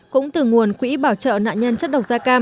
cũng từ nguồn quỹ bảo trợ nạn nhân chất độc da cam